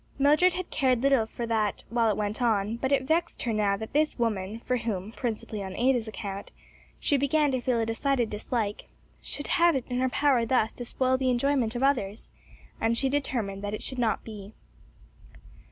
Mildred had cared little for that while it went on, but it vexed her now that this woman, for whom, principally on Ada's account, she began to feel a decided dislike, should have it in her power thus to spoil the enjoyment of others; and she determined that it should not be.